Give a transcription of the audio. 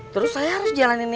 terus saya harus jalanin yang baik